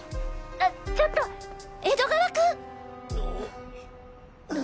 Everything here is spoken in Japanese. あちょっと江戸川君！